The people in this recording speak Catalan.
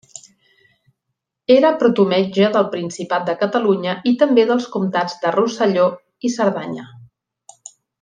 Era protometge del principat de Catalunya i també dels Comtats de Rosselló i Cerdanya.